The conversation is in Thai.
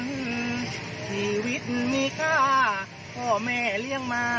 ชีวิตมีค่าพ่อแม่เลี้ยงมา